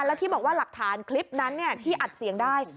แล้วที่บอกว่าหลักฐานคลิปนั้นที่อัดเสียงได้